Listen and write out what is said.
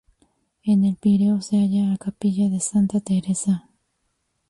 En El Pireo se halla a capilla de Santa Teresa.